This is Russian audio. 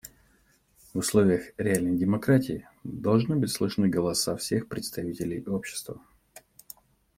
В условиях реальной демократии должны быть слышны голоса всех представителей общества.